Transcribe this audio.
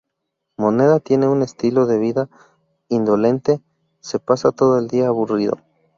Moneda tiene un estilo de vida indolente, se pasa todo el día aburrido.